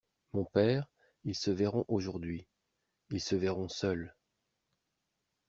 Mon père, ils se verront aujourd’hui ; ils se verront seuls.